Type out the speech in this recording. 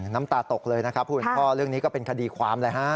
น้ำตาตกเลยนะครับผู้เป็นพ่อเรื่องนี้ก็เป็นคดีความเลยฮะ